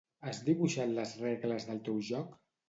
Has dibuixat les regles del teu joc?